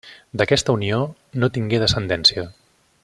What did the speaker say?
D'aquesta unió no tingué descendència.